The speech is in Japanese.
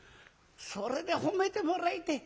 「それで褒めてもらえて。